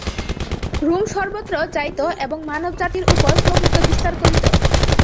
Rome সর্বত্র যাইত এবং মানবজাতির উপর প্রভুত্ব বিস্তার করিত।